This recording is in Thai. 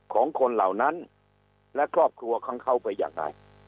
ของคนเหล่านั้นและครอบครัวของเขาไปยังไง